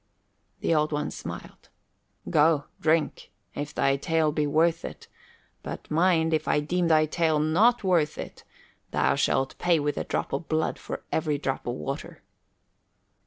The Old One smiled. "Go, drink, if thy tale be worth it; but mind, if I deem thy tale not worth it, thou shalt pay with a drop of blood for every drop of water."